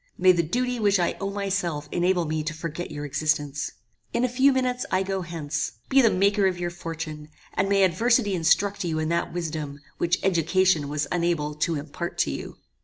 May the duty which I owe myself enable me to forget your existence. In a few minutes I go hence. Be the maker of your fortune, and may adversity instruct you in that wisdom, which education was unable to impart to you."